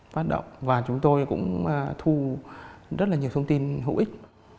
phát động và chúng tôi cũng thu rất là nhiều thông tin hữu ích